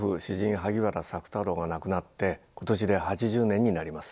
萩原朔太郎が亡くなって今年で８０年になります。